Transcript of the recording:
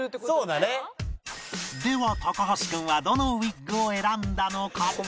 では橋君はどのウィッグを選んだのか？